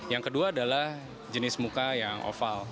yang kedua adalah jenis muka yang oval